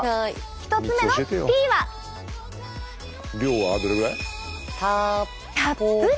１つ目のＴはたっぷり！